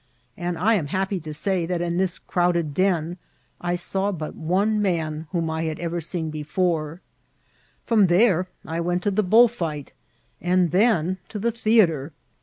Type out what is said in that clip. and I am happy to say that in this crowded den I saw but one man whom I had ever seen before ; from there I went to the bullfi^t, and then to the theatre.